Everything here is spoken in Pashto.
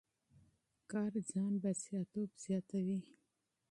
کار ځان بسیا توب زیاتوي.